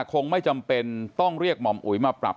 คงไม่จำเป็นต้องเรียกหม่อมอุ๋ยมาปรับ